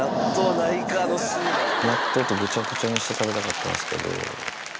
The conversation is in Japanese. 納豆とぐちゃぐちゃにして食べたかったんですけど。